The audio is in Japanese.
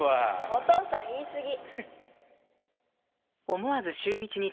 お父さん言いすぎ。